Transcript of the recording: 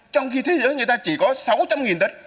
trong khi thế giới người ta chỉ có sáu trăm linh tấn